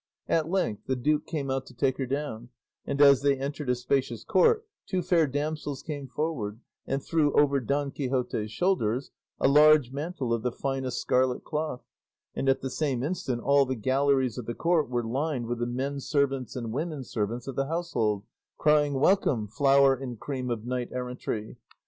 At length the duke came out to take her down, and as they entered a spacious court two fair damsels came forward and threw over Don Quixote's shoulders a large mantle of the finest scarlet cloth, and at the same instant all the galleries of the court were lined with the men servants and women servants of the household, crying, "Welcome, flower and cream of knight errantry!"